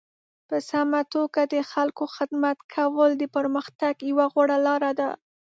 په سمه توګه د خلکو خدمت کول د پرمختګ یوه غوره لاره ده.